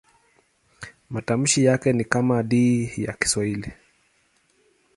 Matamshi yake ni kama D ya Kiswahili.